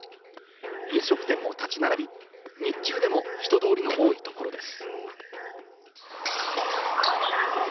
飲食店も立ち並び、日中でも人通りの多いところです。